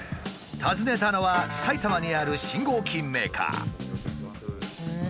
訪ねたのは埼玉にある信号機メーカー。